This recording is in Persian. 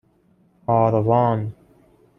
آروان